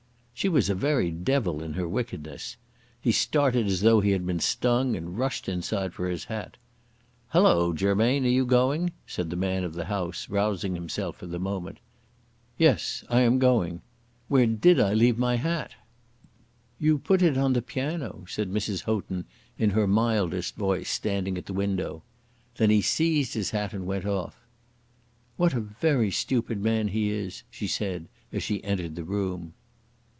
She was a very devil in her wickedness. He started as though he had been stung, and rushed inside for his hat. "Halloa, Germain, are you going?" said the man of the house, rousing himself for the moment. "Yes, I am going. Where did I leave my hat?" "You put it on the piano," said Mrs. Houghton in her mildest voice, standing at the window. Then he seized his hat and went off. "What a very stupid man he is," she said, as she entered the room.